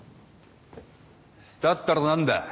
だったら何だ。